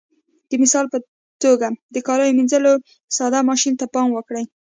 د مثال په توګه د کاليو منځلو ساده ماشین ته پام وکړئ.